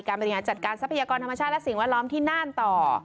บริหารจัดการทรัพยากรธรรมชาติและสิ่งแวดล้อมที่น่านต่อ